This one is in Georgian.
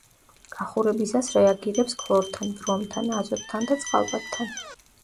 გახურებისას რეაგირებს ქლორთან, ბრომთან, აზოტთან და წყალბადთან.